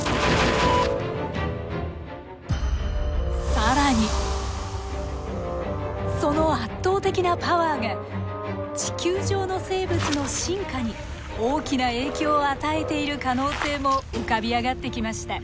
更にその圧倒的なパワーが地球上の生物の進化に大きな影響を与えている可能性も浮かび上がってきました。